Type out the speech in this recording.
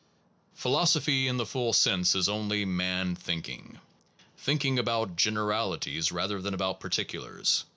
1 Philosophy in the full sense is only man thinking, thinking about generalities rather than about particulars.